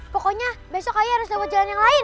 pokoknya besok ayah harus lewat jalan yang lain